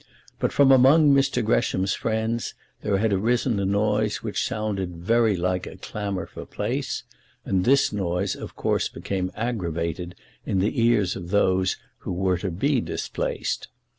But from among Mr. Gresham's friends there had arisen a noise which sounded very like a clamour for place, and this noise of course became aggravated in the ears of those who were to be displaced.